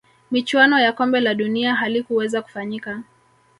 michuano ya kombe la dunia halikuweza kufanyika